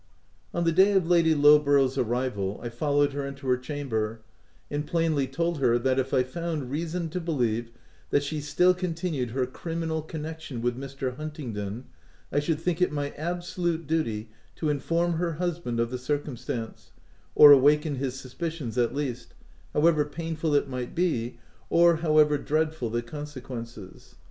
O On the day of Lady Lowborough's arrival, I followed her into her chamber, and plainly told her that, if I found reason to believe that she still continued her criminal connection with Mr. Huntingdon, I should think it my absolute duty to inform her husband of the circumstance — or awaken his suspicions at least — however painful it might be, or however dreadful the consequences.